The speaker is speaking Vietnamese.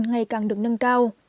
ngày càng được nâng cao